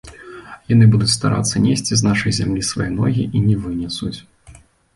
Яны будуць старацца несці з нашай зямлі свае ногі і не вынесуць.